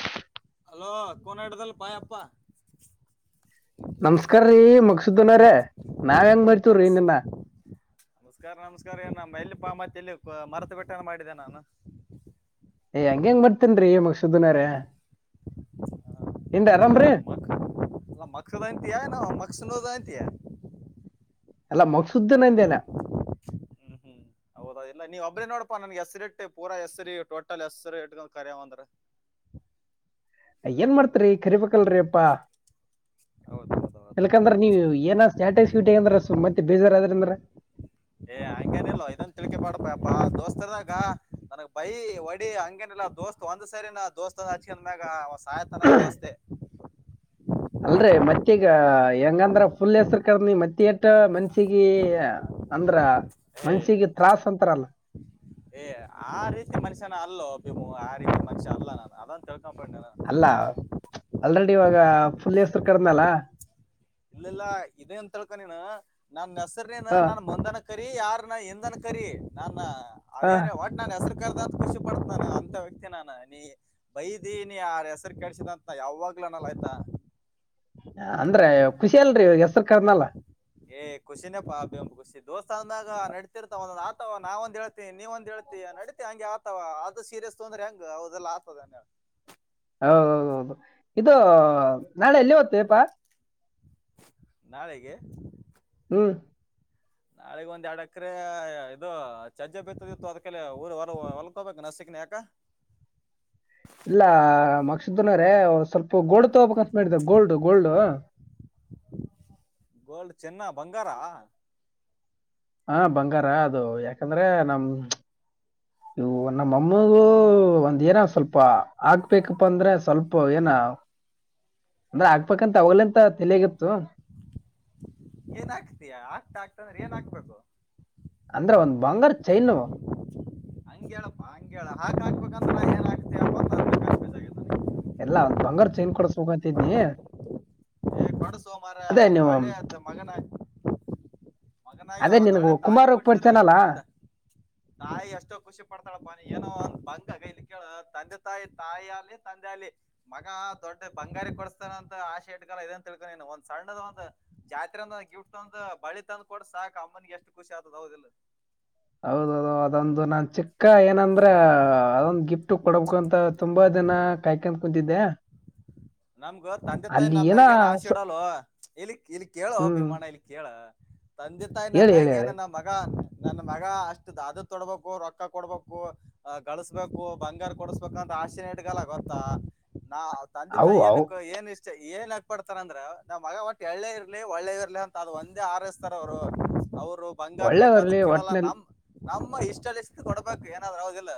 [inaudible] Hello ಕನಾಡ್ದಲ್ ಬಾಯ ಅಪ್ಪಾ [inaudible] ನಮಸ್ಕಾರ್ರೀ ಮಕ್ಸ್ದನ್ರ ನಾವ್ ಹೆಂಗ ಬರ್ತೀವ್ರಿ ನಮಸ್ ನಿನ್ನ ನಮಸ್ಕಾರ ನಮಸ್ಕಾರ ಏ ನ ಎಲ್ಲಿಪ್ಪ ಮತ್ತೆ ಎಲ್ಲಿ ಮರತು ಬೆಟ್ಟನ ಮಾಡಿದ್ದೆ ನಾನು ಹಂಗೇನ್ ಮಾಡ್ತಾವ್ರೆ ಏನ್ ಆರಾಮ್ರಿ ಮದಯಂತ ಮನ ದಯಂತಿ [inaudible] ಎಲ್ಲ ಮಕ್ಸುದ್ದನಂದೇನೆ ಹೌದ ಇಲ್ಲ ನೀವ ಒಬ್ಬ್ರಿ ನೋಡಪಾ ನನ್ಗೆ ಹೆಸರಿ ಇಟ್ಟು ಪೂರಾ ಹೆಸರಿ ಟೋಟಲ್ ಹೆಸರು ಇಟ್ಕ ಕರ್ಯಾವಂದ್ರ ನ್ ಮಾಡ್ತ [inaudible] ರೀ ಕರಿಪಕಲ್ರೀ ಅಪ್ಪಾ ಹೌದೌದೌದೌದು ಎಲ್ಕಂದ್ರೆ ನೀವು ಏನ ಸ್ಟ್ಯಾಟಸ್ [inaudible] ಟ ಅಂದ್ರ ಮತ್ತೆ ಬೇಜಾರ್ ಆದ್ರ ಅಂದ್ರ ಏ ಹಂಗೇನ ಇಲ್ಲ ಇದೊನ್ ತಿಳ್ಕೆ ಮಾಡಪ ದೋಸ್ತನಾಗ ನನಗ್ ಬೈ ಒಡಿ ಹಂಗೇನಿಲ್ಲಾ ದೋಸ್ತ್ ಒಂದ್ ಸರಿ ನ ದೋಸ್ತ ಹಚ್ಕಂದ ಮ್ಯಾಗ [inaudible] ದೋಸ್ತೆ [inaudible] ಅಲ್ರೆ ಮತ್ತೆ ಈಗ ಹೆಂಗಂದ್ರ ಫುಲ್ ಹೆಸ್ರು ಕಡ್ಮಿ ಮತ್ತ ಎಟ್ಟ ಮನ್ಸಿಗ ಅಂದ್ರ ಏ ಮನ್ಷಿಗೆ ತ್ರಾಸ್ ಅಂತಾರಲ್ಲ ಏ ಆ ರೀತಿ ಮನುಷ್ಯನ ಅಲ್ಲೋ ಭಿಮು ಆ ರೀತಿ ಮನುಷ್ಯ ಅಲ್ಲ ನಾನು ಅದಂತ ಹೇ ಅಲ್ಲ ಆಲ್ರೆಡಿ ಇವಾಗ ಫುಲ್ ಹೆಸ್ರು ಕರ್ದ್ನಲ್ಲ ಇಲ್ಲ ಇಲ್ಲ ಇದೇ ಅಂತೇಳ್ಕ ನೀನು ನಾನ್ ನ ಆ, ನಾನ್ ಮಂದನ ಕರಿ ಯಾರ ನ ಇಂದನ್ ಕರಿ ಯಾರ್ನ ಆ, ಅದೇನೆ ಒಟ್ ನನ್ ಹೆಸ ಕರ್ದಂತತ್ ಖುಷಿ ಪಡ್ತನಾನ ಅಂತ ವ್ಯಕ್ತಿ ನಾನ ನೀ ಬೈದೀ ನೀ ಆ ಹೆಸರು ಕೆಳ್ಸಿದಂತತ್ನ ಯಾವಾಗ್ಲನಲ್ಲ ಆಯ್ತಾ ಅಂದ್ರೆ ಖುಷಿ ಅಲ್ರರಿ ಹೆಸ್ರು ಕರ್ದ್ನಲ್ಲ ಏ್ ಖುಷಿನನ ಪಾ ಅ ಬೆಂಬ್ ಖುಷಿ ದೋಸ್ತ ಅಂದಾಗ ನಡತಿರ್ತಾವ ಒಂದೊ ಆತವ ನಾವ ಒಂದ್ ಹೇಳ್ತಿ ನೀವ ಒಂದ್ ಹೇಳ್ತಿ ನಡತಿ ಹಂಗೆ ಆತವ ಆದದು ಸೀರಿಯಸ್ ತೊಂದ್ರೆ ಹಂಗ ಅದೆಲ್ಲ ಆತದ [inaudible] ಹದು ಇದು ನಾಳೆ ಎಲ್ಲಿ [inaudible] ನಾಳೆಗೆ ಬ ನಾಳಗ್ ಒಂದ್ ಎರಡ್ ಅಕರೆ ಇದು ಚಜ್ಜೆ ಬಿತ್ತದಿತ್ತು ಅದ್ಕಲ್ಲ ಊರು ಹೊರ ಹೊಲ್ಕೋಬೇಕು ನಸಕನ ಯಾಕ ಇಲ್ಲ ಸ್ವಲ್ಪ ಗೋಡ್ ತಬೇಕ ಮಾಡಿದೆ ಗೋಲ್ಡ್ ಗೋಲ್ಡ್ ಚೆನ್ನ ಬಂಗಾರ ಹಾ ಬಂಗಾರ ಅದು ಯಾಕಂದ್ರೆ ನಮ ಇವು ನಮ್ಮಮ್ಮಗೂ ಒಂದ್ ಏನ ಸ್ವಲ್ಪ ಹಾಕ್ಬೇಕಪ್ಪ ಅಂದ್ರೆ ಸ್ವಲ್ಪ ಅಪ್ಪ ಏನ ಅಂದ್ರೆ ಆಕ್ಬೇಕಂತ ಅವಲಂತ ತಲಿಯಗತ್ತು ಏನ ಆಕ್ತೀಯಾ ಆಗ್ತಾ ಆಗ್ತ ಅಂದ್ರೆ ಏನ್ ಹಾಕ್ಬೇಕು ಅಂದ್ರೆ ಒಂದ್ ಬಂಗಾರ ಚೈನು ಹಂಗ ಹೇಳಪ್ಪಾ ಹಂಗ ಹೇಳ ಹಾಕ ಹಾಕ್ಬೇಕಂದ್ರ ನ ಏನ್ ಆಗ್ತ ಎಲ್ಲಾ ಒಂದ್ ಬಂಗಾರ ಚೈನ್ ಕೊಡಸಬೇಕಂತ ಇದ್ನಿ ಕೊಡ ಸೋಮಾರ ಒಂದ್ ಒಳ್ಳೆ ಮಗನ ಮಗನಗ ಅದೇ ಒಂದ ನಿನಗ ಒೊಳ್ಳೆ ತಾಯಿ ಕುಮಾರ್ ಕೊಡ್ಸ್ರ ಪರಿಚಯನಲ್ಲ ತಾಯಿ ಎಷ್ಟೋ ಖುಷಿ ಪಡ್ತಾಳಪ್ಪಾನಿ ಏನುೋ ಬಂಗಾಗ ಇಲ್ಲಿ ಕೇಳ ತಂದೆ ತಾಯಿ ತಾಯಿ ಅಲ್ಲಿ ತಂದೆ ಅಲಿ ಮಗ ದೊಡ್ಡ ಬಂಗಾರ ಕೊಡಸ್ತಾನ ಅಂತ ಆಶೆ ಇಟ್ಕ ಇದಂತ ತಿಳ್ಕೊಂಡ ನೀ ಒಂದ್ ಸಣ್ಣದ ಒಂದು ಜಾತ್ರೆ ಅ ಗಿಫ್ಟ್ ತಂದು ಬಳಿ ತಂದ ಕೊಡ್ ಸಾಕಕ್ ಅಮ್ಮನಿಗೆ ಎಷ್ಟು ಖುಷಿ ಆಗ್ತದ ಹೌದಿಲ್ಲ ಹೌದೌದು ಅದೊಂದು ನಾನ್ ಚಿಕ್ಕ ಅಕ್ಕ ಏನಂದ್ರ ಅದೊಂದು ಗಿಫ್ಟ ಕೊಡಬೇಕು ಅಂತ ತುಂಬ ತುಂಬಾ ಜನ ಕಾಯ್ಕಂತ ಕುೂಂತಿದ್ದೆ ನಮ್ಗ ತಂದೆ ತಾಯಿ ನಮ್ಮ್ಯಾಗ ಏನ್ ಆಸೆ ಸ- ಇಡಲ್ ಇಲ್ಲಿ ಇಲ್ಲಿ ಹ್ಮ್ ಕೇಳೋಭಿಮಾನ ಇಲ್ಲಿ ಕೇಳ ತಂದೆ ತಾಯಿ ನಮ್ಮ ಹೇಳಿ ಹೇಳಿ ಮ್ಯಾಗ ಏನ ಹೇಳಿ ನಮ್ಮ ಮಗ ಅ ನನ್ ಮಗ ಅಷ್ಟ್ ಅದ ತೊಡ್ಬೇಕು ರೊಕ್ಕ ಕೊಡ್ಬೇಕು ಗಳಸ್ಬೇಕು ಬಂಗಾರ ಕೊಡಸ್ಬೇಕ ಅಂತ ಆಸೆನ ಹಡ್ಗಲ್ಲ ಗೊತ್ತಾ ನಾ ಅವು ಏನ ಅವು ಏನ್ ಇಷ್ಟ ಏನ ಪಡ್ತಾರ ಅಂದ್ರೆ ನಮ್ಮ್ ಮಗ ಒಟ್ಟ ಎಳ್ಳೇ ಇರ್ಲಿ ಒಳ್ಳೇ ಇರ್ಲಿ ಅಂತ ಅದ ಒಂದೇ ಆರೈಸ್ತಾರ ಅವ್ರು ಅವ್ರು ಬಂಗಾರ ಬೇಕ ಅದು ಒಳ್ಳೆಯವರಲ್ಲಿ ಕೇಳಲ್ಲ ಒಟ್ಟಿನಲ್ಲಿ ನಮ ನಮ್ಮ ಇಷ್ಟಷ್ಟ ಕೊಡ್ಬೇಕು ಏನಾದ್ೂ ಹದಿಲ್ಲ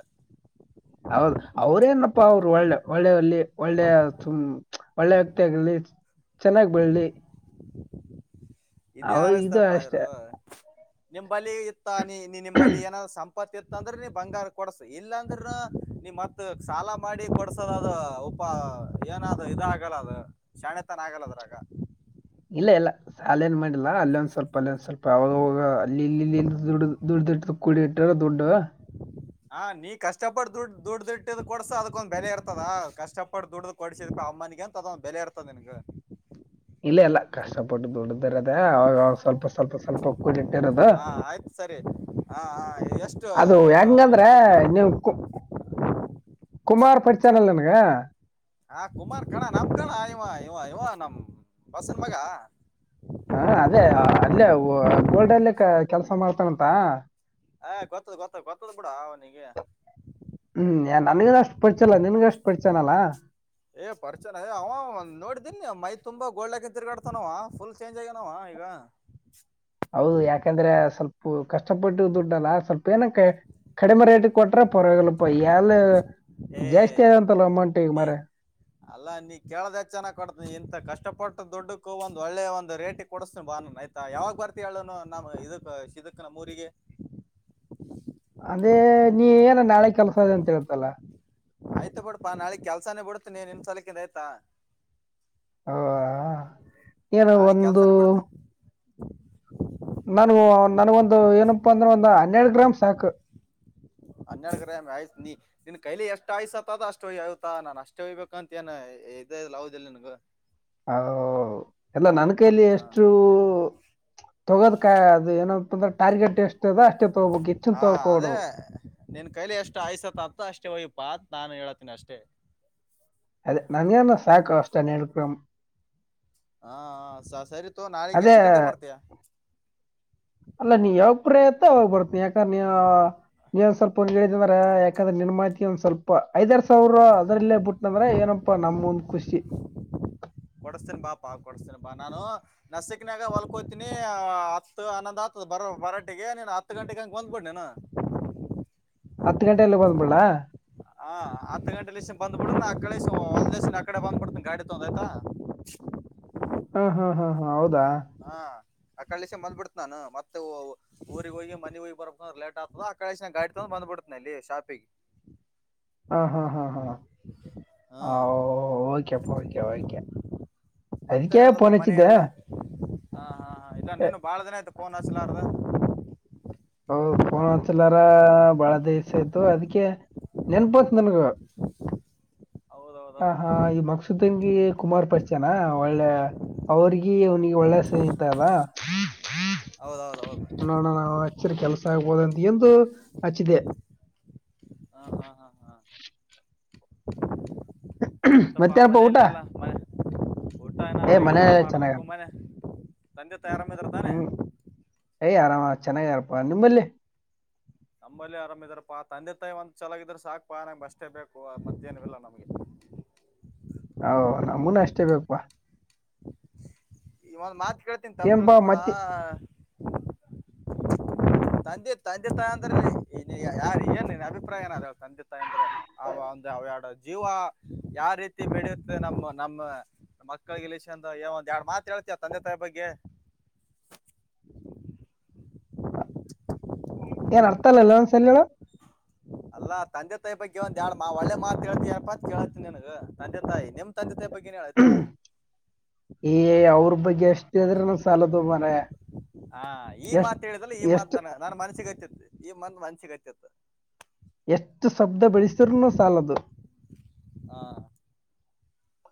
ಹೌದು ಅವ್ರೇನಪ್ಪಾ ಅವರು ಒಳ್ಳೆ ಒಳ್ಳೆವಲ್ಲಿ ಒಳ್ಳೆು ಒಳ್ಳೆ ವ್ಯಕ್ತಿ ಆಗರ್ಲಿ ಚೆನ್ನಾಗ್ ಬೆಳಲಿ ಇದೇ ಅವ ಇದು ಅಷ್ಟೇ ಆರಸ್ತಾರಪ್ಪಯರು ನಿ ಬಲಿ ಇತ್ತಾನ ನೀ ನಿಮ್ಮ ಬಳಲಿ ಏನಾದ ಸಂ ಇಪ್ಪತ್ತ ಇತ್ತ ಅಂದ್ರೆ ನೀ ಬಂಗಾರ ಕೊಡ್ಸ ಇಲ್ಲಾಂದ್ರ ನೀ್ ಮತ್ ಸಾಲ ಮಾಡಿ ಕೊಡ್ಸದ ಅದ ಉಪ ಏನಾದ್ ಇದ ಆಗಲ್ಲ ಅದು ಶಾಣೆತನ ಆಗಲ್ಲದ್ರಾಗ ಇಲ್ಲ ಇಲ್ಲ ಸಾಲ ಏನ್ ಮಾಡಿಲ್ಲಾ ಅಲ್ಲೊಂದ್ ಸ್ವಲ್ಪ ಅಲ್ಲಿೊಂದ ಸ್ವಲ್ಪ ಅವಾಗ ಅಲ್ಲಿ ಇಲ್ಲಿ ಇಲ್ಲಿ ಇ ದುಡ್ಡ ದುಡ್ ದುಡ ಕುಡಿ ಇಟ್ಟ್ರ ದುಡ್ಡು ಹಾ ನೀ ಕಷ್ಟಪಟ್ಟ ದುಡ್ ದುಡ್ಡು ದುಡ್ಡಿದ್ ಕೊಡ್ಸ ಅದಕೊಂದ ಬೆಲೆ ಇರ್ತದ ಕಷ್ಟಪಟ್ಟ ದುಡ್ಡ್ದ ಕೊಡ್ಸಿದ್ ಪ ಅಮ್ಮನಗ ಅಂತ ಅದೊಂದ್ ಬೆಲೆ ಇರ್ತದ ನಿನ್ಗ ಇಲ್ಲ ಅಲ್ಲ ಕಷ್ಟಪಟ್ಟ ದುಡ್ಡದ ಇರದ ಅವ ಸ್ವಲ್ಪ ಸ್ವಲ್ಪ ಸ್ವಲ್ಪ ಕೂಡಿಟ್ಟ ಇರದು ಹಾ ಆಯ್ತು ಸರಿ ಹಾ ಹಾ ಎಷ್ಟು ಅದು ಏನು ಹೆಂಗಂದ್ರೆ ಎಷ್ಟಿತ್ತು ನೀವು ಕು ಕುಮಾರ್ ಪರಿಚಾನಲ್ ನನ್ಗ ಹಾ ಕುಮಾರ್ ಕಣ ನಮ್ ಕಣ ಇವ ಇವ ಇವ ನಮ್ ಬಸನ್ ಮಗ ಹಾ ಅದೇ ಅಲ್ಲೇ ಗೋಲ್ಡ್ ಅಲ್ಲ ಕೆಲ್ಸ ಮಾಡ್ತನಂತ ಆ ಗೊತ್ತದ ಗೊತ್ತದ ಗೊತ್ತದ್ ಬಿಡ ಅವನಿಗೆ ಹ್ಮ್ ನನ್ಗ ಅಷ್ಟು ಪರಿಚಯಲ್ಲ ನಿನ್ಗೂ ಅಷ್ಟು ಪರಿಚಯನಲ್ಲಾ ಏ ಪರಿಚಯ ಅವ ನೋಡಿದೀನ್ ಮೈ ತುಂಬಾ ಗೋಲ್ಡ್ ಹಾಕ ತಿರ್ಗಾಡ್ತಾನವ ಫುಲ್ ಚೇಂಜ್ ಆಗ್ಯನವ ಈಗ ಹೌದು ಯಾಕಂದ್ರೆ ಸ್ವಲ್ಪ ಕಷ್ಟಪಟ್ಟು ದುಡ್ಡಲ್ಲ ಸ್ವಲ್ಪ ಏನಕ್ಕೆ ಕಡಿಮೆ ರೇಟ್ ಕೊಟ್ರ ಪರವಾಗಿಲ್ಪ ಎಲ್ಲ ಏ ಜಾಸ್ತಿ ಆಂತಲ್ಲ ಅಮೌಂಟ್ ಈಗ ಮರ ಅಲ್ಲಾ ನೀ ಕೇಳದ ಹೆ ಚನ್ನ್ ಕೊಡ್ತ ಇಂತ ಕಷ್ಟಪಟ್ಟ ದುಡ್ಡಕ್ಕೂ ಒಂದ್ ಒಳ್ಳೆ ಒಂದ ರೇಟಿ ಕೊಡಸ್ತನಿ ಬಾನನ್ ಆಯ್ತಾ ಯಾವಾಗ ಬರ್ತಿ ಹೇಳನು ನಮ್ ಇದಕ್ ಇದಕ್ ನಮ್ಮ ಊರಿಗೆ ಅಂದೆ ನೀ ಏನ ನಾಳೆ ಕೆಲ್ಸ ಅದ ಅಂತ ಹೇಳ್ತಲ್ಲ ಆಯ್ತು ಬಿಡ್ಪಾ ನಾಳಗ್ ಕೆಲ್ಸಾನೇ ಬಿಡ್ತೀನಿ ನಿಮ್ ಸಲಕಿಂದ ಆಯ್ತಾ [inaudible] ಹ ಏನ ನಾಳೆ ಒಂದು ಕೆಲ್ಸಾನೇ ಬಿಡ್ತಿ ನಾ ನನ್ಗೊಂದು ಏನಪ್ಪ ಅಂದ್ರೆ ಒಂದು ಹನ್ನೆರಡು ಗ್ರಾಮ್ ಸಾಕು ಹನ್ನೆಡ್ ಗ್ರಾಂ ಆಯ್ತು ನೀ ನಿನ್ ಕೈಲಿ ಎಷ್ಟು ಆಯ್ಸತದ ಅಷ್ಟುಯ್ ಆಯ್ತಾ ನಾನ್ ಅಷ್ಟೇ ಹಯ್ಬೇಕ ಅಂತ ಏ ಇದೆ ಹದಿಲ್ಲ ನನ್ಗ [inaudible] ಎಲ್ಲ ನನ್ ಕೈಲಿ ಹಾ ಎಷ್ಟು ತಗೋದಕ ಅದು ಏನಪ್ಪ ಅಂದ್ರ ಟಾರ್ಗೆಟ್ ಎಷ್ಟ ಅದ ಅಷ್ಟೇ ತಗೋಬೇಕ್ ಹೆಚ್ಚನ್ ಹಾ ತಗೋಕ ಅದೇ ಹೊಡದು ನಿನ್ ಕೈಲಿ ಎಷ್ಟು ಆಯ್ಸತ್ ಆಪ್ತ ಅಷ್ಟೇ ಒಯ್ಯಪ್ಪತ್ ನಾನು ಹೇಳತೀನಿ ಅಷ್ಟೇ ಅದೇ ನನ್ಗೆನ ಸಾಕು ಅಷ್ಟನ್ ಹೇಳ್ಕರ್ ಹಾ ಸ ಸರಿ [inaudible] ಅದೇ ಎಷ್ಟು ಗಂಟೆಗೆ ಬರ್ತೀಯ ಅಲ್ಲ ನೀ ಯವಗ ಪ್ರಿ ಇರ್ತಿ ಅವಗ್ ಬರ್ತೀನಿ ಯಾಕಂದ್ರೆ ನೀ ನೀ ಸ್ವಲ್ಪ ಅಂದ್ರೆ ಯಾಕಂದ್ರೆ ನಿನ್ಮ್ಮಹಿತಿ ಒಂದ್ ಸ್ವಲ್ಪ ಐದರು ಸಾವಿರ ಅದ್ರಲ್ಲೇ ಬಿುಟ್ನಂದ್ರ ಏನಪ್ಪಾ ನಮ ಒಂದ್ ಖುಷಿ ಹಾ ನಾನು ನಸಿಕನ್ಯಾಗ ಹೊಲ್ಕೋತಿನಿ ಹತ್ತು ಅನ್ನೊಂದ್ ಆತದ ಬರ ಬರಟಿಗೆ ನೀನ್ ಹತ್ತು ಗಂಟೆಗೆ ಹಂ ಬಂದ್ಬಿಡ್ ನೀನು ಹತ್ತು ಗಂಟೆ ಎಲ್ಲ ಬಂದಬಿಡ್ಲಾ ಲ ಹ ಹತ್ತು ಗಂಟೆಲೇಸಿ ಬಂದ್ ಬಿಡು ನಾನ್ ಅಕ್ಕಡೆ ಹಾಸಿ ಹೊಲದ್ಲೆಸಿ ಅಕ್ಕಡೆೇ ಬಂದ್ ಬಿಡ್ತೀನಿ ಗಾಡಿ ತೊಂದು ಆಯಿತಾ ಹಾ ಹಾ ಹಾ ಹಾ ಹೌದು ಹಾ ಆ ಕಳಿಸ ಬಂದ್ಬಿಡತ ನಾನು ಮತ್ತೆ ಊರಿಗೆ ಹೋಗಿ ಮನೆಗ್ ಹೋಗಿ ಬರಬೇಕ್ಂದ್ರ ಲೇಟ್ ಆಗ್ತದ ಆ ಕಡಾಸೇ ಗಾಡಿ ತಗಬ್ಬ ಬಿಡ್ತನೆ ಅಲ್ಲಿ ಶಾಪಿಗೆ ಹ ಹಾ ಹಾ ಹಾ ಹ್ಮ್ ಓಕೆ ಓಕೆ ಓಕೆ ಮತ್ತೆ ಅದಕ್ಕೆ ನಡ್ದಪ್ಪ ಫೋನ ಮನೆ ಅಚಿದ್ದ ಎಲ್ಲ ಹಾ ಹಾ ಹಾ ಇಲ್ಲನ್ನನು ಬಾಳ ದಿನ ಆಯ್ತ ಫೋನ್ ಹಚ್ಲಾರ್ದೆ ಹೌದು ಫೋನ್ ಹೊಸಲಾರ ಬಾಳ ದಸ ಆಯ್ತು ಅದಕ್ಕೆ ನೆನ್ಪುಂತ ನನ್ಗ ಹಾ ಹಾ ಹೌದೌದೌದು ಈ ಮಕ್ಸದ ತಂಗಿ ಕುಮಾರ್ ಪಚನಾ ಒಳ್ಳೆ ಅವ್ರಗಿ ಅವನಿಗೆ ಒಳ್ಳೆ ಸ್ನೇಹಿತನಾ ಹೌದೌದ ಹೌದು ಈ ಸರಿ ಕೆಲಸ ಆಗ್ಬಹುದು ಅಂತ ಎಂದು ಹಚ್ಚಿದೆ ಹಾ ಹಾ ಹಾ ಹಾ ಇತ್ತಪ್ಪಾ ಮತ್ತೇನಪ್ಪ ಊಟ ಮನೇೆಯಲ್ಲಿ ಅಲ್ಲ ಮ ಊಟ ಏನ ಏ ಮನೆ ಹಾಗೆಲ್ಲ ಚೆನ್ನಾಗ ಮಾಡಬೇಕು ಮನೆ ನಂದೆ [inaudible] ಆರಾಮ ಇದಾರತ್ತಾನೆ. ಯ್ ಆರಾಮ ಚೆನ್ನಾಗರಪಾ ನಿಮ್ಮಲ್ಲಿ ನಮ್ಮಲ್ಲಿ ಆರಾಮಇದಾರ ಪಾ ತಂದೆ ತಾಯಿ ಒಂದ್ ಚನ್ನಾಗಿದ್ರ ಸಾಕಪ್ಪ ನಂಗ ಅಷ್ಟೇ ಬೇಕು ಮತ್ತೆನ ಇಲ್ಲ ನಮ್ಗೆ [inaudible] ಹವ ನಮ್ಮೂನ ಅಷ್ಟೇ ಬೇಕಪಾ ಇ ಒಂದ್ ಮಾತ್ ಹಿಂಗೇ ಹೇಳತೀನಿ ಏನ್ಪಾ ತಪ್ಪುತಿಳಕಬೇಡ ಮತ್ತೆ ತಂದೆ ತಂದೆ ತಾಯಿ ಅಂದ್ರೆ ಯಾರ ಏನ್ ಅಭಿಪ್ರಾಯ ಏನ ಅ ತಂದೆ ತಾಯಿ ಅಂದ್ರೆ ಅವ ಒಂದು ಅವ ಎರಡು ಜೀವ ಯಾವ ರೀತಿ ಬೆಳಿಯುತ್ತೆ ನಮ್ಮ ನಮ್ಮ ಮಕ್ಕಳ ರಿಲೇಶನ್ ದಾಗ್ ಒಂದ ಎರಡ್ ಮಾತ್ ಹೇಳ್ತ ತಂದೆ ತಾಯಿ ಬಗ್ಗೆ. ಏನ್ ಅರ್ಥಲ್ಲಲ್ಲ ಒನ್ ಸಲ್ಳ ಅಲ್ಲಾ ತಂದೆ ತಾಯಿ ಬಗ್ಗೆ ಒಂದ್ ಎಡ್ ಮಾ ಒಳ್ಳೆ ಮಾತ ಕೇತಯಪ್ಪ ಅಂತ ಕೇಳ್ತಿ ನನ್ಗ್ ತಂದೆ ತಾಯಿ ನಿಮ್ ತಂದೆ ತಾಯಿ ಬಗ್ಗೆ ಹೇಳಾಯ್ತಾ ಈ ಅವ ಬಗೆ್ಯಾ ಅಷ್ಟ ಆದ್ರ ನೂ ಸಾಲದುಲ್ ಮಾರಾಯಾ ಹಾ ಈ ಮಾತ್ ಹೇಳಿದಲ್ಲ ಈ ಮಾತ ಎಷ್ಟು ನ ನನ್ ಮನಸ್ಸಿಗೆ ಹತ್ತತ್ತು ಈ ಮಂದ ಮನ್ಷಿಿಗೆಚ್ಚತ್ತ ಎಷ್ಟು ಶಬ್ದ ಬೆಳಸ್ರೂನು ಸಾಲದು ಹಾ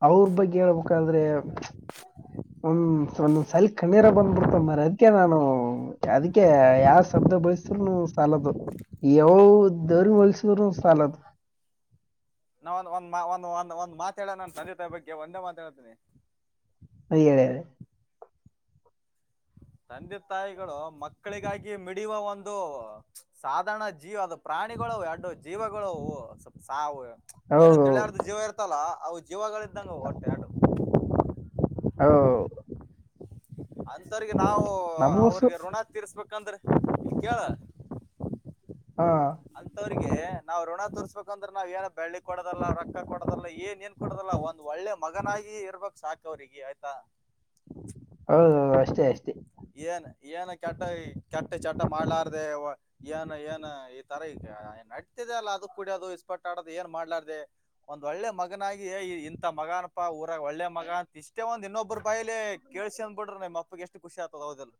ಅವ್ರ ಬಗ್ಗೆ ಹೇಳ್ಬೇಕಾದ್ರೆ ಒಂದ ಒಂದೊಂದ್ ಸಲ ಕಣ್ಣೀರ ಬಂದ ಅತ್ ಮಾರಾಯ ಅದಕ ನಾನು ಅದಕ್ಕೆ ಯಾವ ಶಬ್ದ ಬಳಸ್ರುನು ಸಾಲದು ಯಾವ ದೇವರಗೂ ಹೋಲಿಸಿದ್ರು ಸಾಲದು ನಾವ ಒಂದಂದ್ ಒಂದ ಒಂದ್ ಒಂದ್ ಮಾತಾಡೋ ನಾನು ತಂದೆ ತಾಯ ಬಗ್ಗೆ ಒಂದೇ ಮಾತಾಡತೀನಿ ಅಯ್ಯೇ ತಂದೆ ತಾಯಿಗಳು ಮಕ್ಕಳಿಗಾಗಿ ಮಿಡಿಯುವ ಒಂದು ಸಾಧಾರಣ ಜೀವ ಅದು ಪ್ರಾಣಿಗಳು ಎರಡು ಜೀವಗಳವು ಸ್ವಲ್ ಸಾವು ಏನು ಹೌದು ತಿಳಿಯಾರ್ದು ಜೀವ ಇರ್ತಲ್ಲ ಹೌದು ಇವಾಗಳ ಇದ್ದಂಗೆ ಹೊಟ್ಟೆರಡು ಹೌದು ಆಂತರಿಗಿ ನಾವು ನಮಗೋಸು ಅವ್ರಿಗೆ ಋಣ ತೀರ್ಸ್ಬೇಕು ಚಾಧ್ರ ಕ ಹಾಲ [unintelligible] ಹಾ ಅಂತವ್ರಿಗೆ ನಾವ್ ಋಣ ತೋರಿಸ್ಬೇಕಂದ್ರೆ ನಾವ್ ಏನ ಬೆಳ್ಳಿ ಕೊಡದಲ್ಲ ರೊಕ್ಕ ಕೊಡದಲ್ಲ ಏನ್ ಏನ್ ಕೊಡದಲ್ಲ ಒಂದ್ ಒಳ್ಳೆ ಮಗನಾಗಿ ಇರ್ಬೇಕ ಸಾಕ ಅವ್ರಿಗೆ ಆಯ್ತಾ ಹೌದೌದು ಅಷ್ಟೇ ಅಷ್ಟೇ ಏನ್ ಏನ್ ಕೆಟ್ಟ ಕೆಟ್ಟ ಚಟ್ಟ ಮಾಡ್ಲಾರ್ದ ಏನ್ ಏನ್ ಈ ತರ ಈ ನಡ್ತಿದೆ ಅಲ್ಲ ಅದ ಕುಡಿಯೋದು ಅದು ಇಸ್ಪಟ್ ಆಡದು ಏನ್ ಮಾಡ್ಲಾರ್ದ ಒಂದ್ ಒಳ್ಳೆ ಮಗನಾಗಿ ಇಂಥ ಮಗನಪಾಊರ ಒಳ್ಳೆ ಮಗ ಅಂತ ಇಷ್ಟೇ ಒಂದ ಇನ್ನೊಬ್ಬರು ಬಾಯಿಲಿ ಕೇಳಸಿ ಅಂದ್ ಬಿಟ್ರ ನಿಮ್ಮ ಅಪ್ಪ ಎಷ್ಟು ಖುಷಿ ಆತದ ಹೋದೆಲ್ಲ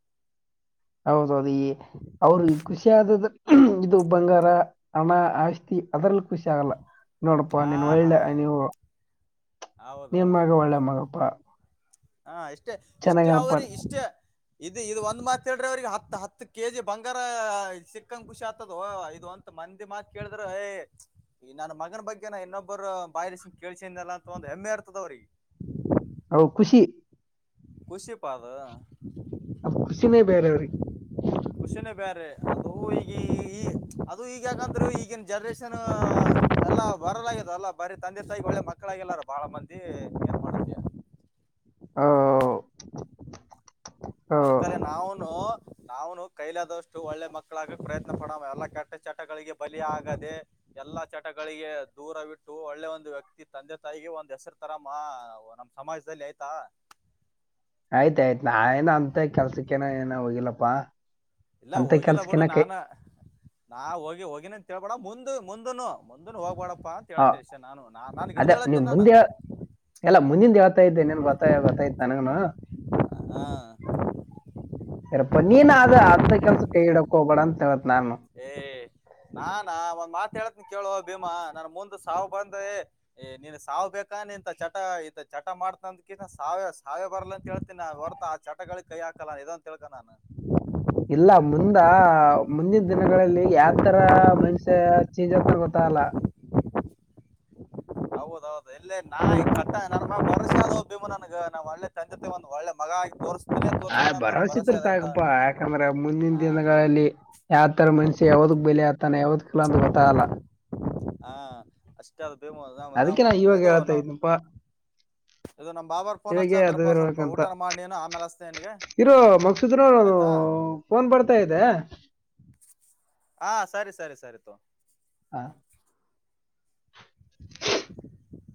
ಹೌದೌದು ಈ ಅವ್ರಿಗೆ ಖುಷಿಯಾದದ ಇದು ಬಂಗಾರ ಹಣ ಆಸ್ತಿ ಅದ್ರಲ್ಲಿ ಖುಷಿ ಆಗಲ್ಲ ನೋಡಪ್ಪಾ ಆ ನೀನ್ ಹಾ ಒಳ್ಳೆ ನೀವು ನಿನ್ನ ಹೌದೌದೌದು ಮಗ ಒಲ್ಲ ಮಗಪ್ಪಾ ಹಾ ಎಷ್ಟ ಇಷ್ಟೇ ಅವರಿ ಇಷ್ಟೇ ಇ ಇದು ಒಂದ್ ಮಾತ್ ಹೇಳ್ರೆ ಅವ್ರಿಗೆ ಹತ್ ಹತ್ತು ಕೆಜಿ ಬಂಗಾರ ಚಕ್ಕನ್ ಖುಷಿ ಆತದ ಇ ಒಂತ ಮಂದಿ ಮಾತ್ ಕೇಳಿದ್ರೆ ಈ ನನ್ನ ಮಗನ ಬಗ್ಗೆನ ಇನ್ನೊಬ್ಬರು ಬಾಯಲ ಸಿಂಗ ಕೇಳ್ಸನ್ಲ್ಲ ಅಂತ ಒಂದ್ ಹೆಮ್ಮೆ ಇರ್ತದ ಅವ್ರಿಗೆ ಹೌ ಖುಷಿ ಕುಷಿ ಪಾದ ನ ಖುಷಿನೇ ಬೇರೆ ಅವ್ರಿಗೆ ಖುಷನೇ ಬೇರೆ ಅದು ಈಗ ಈ ಅದು ಈಗ ಯಾಕಂದ್ರು ಈಗಿನ ಜನ್ರೇಷನ್ ಎಲ್ಲಾ ಬರಲಾಗ್ಯದ ಅಲ್ಲ ಬರ ತಂದೆ ತಾಯಿ ಒಳ್ಳೆ ಮಕ್ಕಳಾಗಿಲ್ಲಾರ ಬಾಳ ಮಂದಿ ಏನ್ ಮಾಡತ ಹ ಹಾ ಅದ್ಕಾರೆ ನಾವನು ನಾವನು ಕೈಲಾದಷ್ಟು ಒಳ್ಳೆ ಮಕ್ಕಳಾಗ ಪ್ರಯತ್ನ ಪಡ ಎಲ್ಲಾ ಕೆಟ್ಟ ಚಟಗಳಿಗೆ ಬಲಿ ಆಗದೆ ಎಲ್ಲಾ ಚಟಗಳಿಗೆ ದೂರವಿಟ್ಟು ಒಳ್ಳೆ ಒಂದು್ ವ್ಯಕ್ತಿ ತಂದೆ ತಾಯಿಗೆ ಒಂದ್ ಹೆಸರು ತರ ಮಾ ನಮ್ಮ್ ಸಮಾಜದಲ್ಲಿ ಆಯ್ತಾ ಆಯ್ತಾಯ್ತು ನೇನ ಅಂತ ಕೆಲ್ಸಕ್ಕೇನ ಏನ ಹೋಗಿಲ್ಲಪ್ಪಾ. ಇಲ್ಲ ಹೋಗಿಲ್ಲ ಬಿಡು ನಾನ ನಾ ಹೋಗಿ ಹೋಗಿನ ತಿಡ ಮು ಮುಂದನ್ನು -ಮುಂದನ್ನು ಹೋಗ್ಬಡ ಹಾ ಅದೇ ನೀವ್ ನಾನು ಮುಂದೆ ಎಲ್ಲ ಮುಂದಿಂದ ಹೇಳ್ತಾ ಇದ್ದ ನಿನ್ ಗೊತ್ತ ಗೊತ್ತಾಯತ್ ನನಗನ. ಹಾ ಸರಪ್ಪ ನೀನ್ ಅ ಅಂದ ಕೆಲ್ಸ ಕೈ ಇಡಕ್ ಹೋಗಬೇಡ ಅಂತ ಹೇಳದು ಏ ನಾನಾ ಒಂದ್ ಮಾತ್ ಹೇಳತ್ನ ಕೇಳುವ ಭೀಮಾ ನನ್ ಮುಂದ ಸಾವು ಬಂದೆ ನೀನ್ ಸಾವು ಬೇಕಾ ನಿಂತ ಚಟ ಈ ಚಟ ಮಾಡ್ತಂದ ಕಿ ಸಾವ ಸಾವೇ ಬರ್ಲ ಅಂತ ಕೇಳ್ತೀನಿ ಹೊರ್ತಾ ಆ ಚಟಗಳಿಗೆ ಕೈ ಹಾಕಲ್ಲ ಇದಂತ ಕೇಳ್ಕ ನಾನನ್. ಇಲ್ಲ ಮುಂದ ಮುಂದಿನ ದಿನಗಳಲ್ಲಿ ಯಾವತರ ಮೈನ್ಸ್ಯ ಚೇಂಜ್ ಆತನ್ ಗೊತ್ತಾಗಲ್ಲ ಹೌದೌದು ಇಲ್ಲ ನಾ ಮುಂದ್ [unintelligible] ನಬ್ಬಿಮ ನನಗ ನಾ್ ಒಳ್ಳೆ ಸಂದತೆ ಮಗ ಆಗಿ ತೋರಿಸ್ ಹ ಭರವಸತ್ರ ಸಾಕಪ್ಪಾ ಯಾಕಂದ್ರ ಮುಂದಿನ ಹಾ ದಿನಗಳಲ್ಲಿ ಯಾವತರ ಮನುಷ್ಯ ಯಾವದಕ್ ಬೆಲೆ ಆಗ್ತಾನ ಯಾವದಕ್ ಮಕ್ಲಂದು ಗೊತ್ತಾಯಲ್ಲ ಅಷ್ಟ. ಅದಕ್ಕೆ ನಾ ಇವಾಗ ಹೇಳ್ತಾ ಇದ್ನಪ್ಪಾ ಇದು ನಮ್ ಬಾಬಾರ್ ಫೋನ್ ಇವಾಗೇ ಹಚ್ಲತ್ತಾರಪ್ಪ ಸ್ವಲ್ಪ ಅರ್ಬೇಕಂತ ಊಟ ಮಾಡಿ ನೀನು ಆಮೇಲೆ ಹಚ್ತೀನಿ ನಿನ್ಗೆ ಇರು ಮಕ್ಸೂದನರು ಆಯ್ತಾ ಫೋನ್ ಬರ್ತಾ ಇದೆ ಹಾ ಸರಿ ಸರಿ ಸರಿ ತಗೋ ಹಾ ಹ್ಮ್